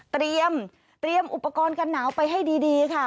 เตรียมเตรียมอุปกรณ์กันหนาวไปให้ดีค่ะ